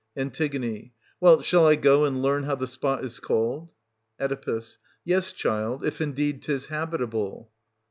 An. Well, shall I go and learn how the spot is called } Oe. Yes, child, — if indeed 'tis habitable.